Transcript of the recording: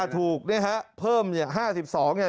ถูกนะครับเพิ่ม๕๒เนี่ย